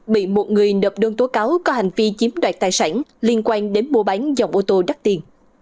bị một người nộp đơn tố cáo có hành vi chiếm đoạt tài sản liên quan đến mua bán dòng ô tô đắt tiền